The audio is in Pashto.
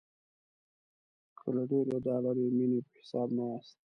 که له ډېرې ډالري مینې په حساب نه یاست.